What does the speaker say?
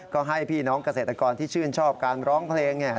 ก็ให้พี่น้องเกษตรกรที่ชื่นชอบการร้องเพลง